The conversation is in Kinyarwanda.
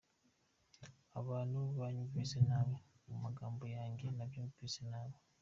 Abantu banyumvise nabi mu magambo yanjye, yabyumvise nabi.